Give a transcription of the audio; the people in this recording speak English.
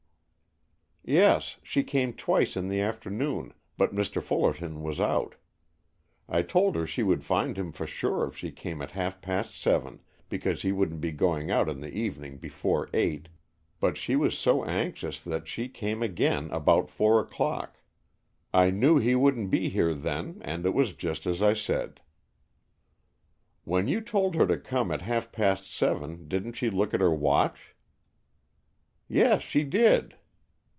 "Yes, she came twice in the afternoon, but Mr. Fullerton was out. I told her she would find him for sure if she came at half past seven, because he wouldn't be going out in the evening before eight, but she was so anxious that she came again about four o'clock. I knew he wouldn't be here then, and it was just as I said." "When you told her to come at half past seven, didn't she look at her watch?" "Yes, she did!"